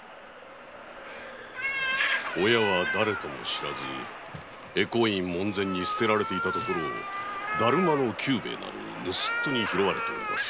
親はだれとも知らず回向院門前に捨てられていたところを達磨の久兵衛なる盗っ人に拾われております。